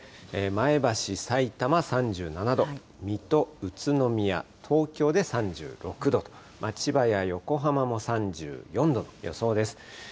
前橋、さいたま、３７度、水戸、宇都宮、東京で３６度と、千葉や横浜も３４度の予想です。